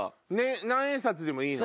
何円札でもいいの？